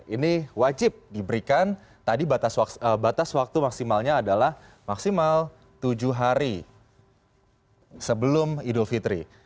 ini wajib diberikan tadi batas waktu maksimalnya adalah maksimal tujuh hari sebelum idul fitri